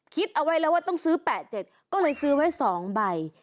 คิดเอาไว้แล้วว่าต้องซื้อ๘๗ก็เลยซื้อไว้๒ใบ